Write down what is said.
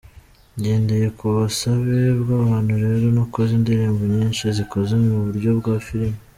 Ngendeye ku busabe bw’abantu rero nakoze indirimbo nyinshi zikoze mu buryo bwa Filime….